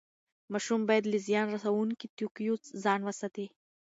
ماشوم باید له زیان رسوونکي توکیو ځان وساتي.